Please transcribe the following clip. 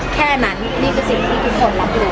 แค่นั้นนี่คือสิ่งที่ทุกคนรับรู้